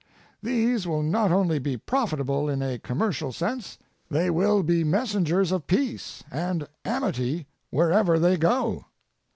These will not only be profitable in a commercial sense; they will be messengers of peace and amity wherever they go.